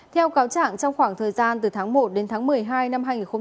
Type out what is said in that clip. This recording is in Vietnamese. theo cáo trạng trong khoảng thời gian từ tháng một đến tháng một mươi hai năm hai nghìn hai mươi